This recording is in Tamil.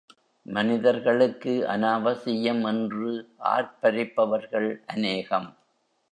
மனிதர்களுக்கு அநாவசியம் என்று ஆர்ப்பரிப்பவர்கள் அநேகம்.